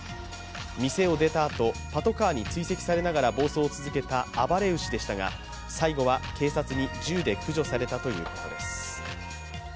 店を出たあと、パトカーに追跡されながら暴走を続けた暴れ牛でしたが最後は警察に銃で駆除されたということです。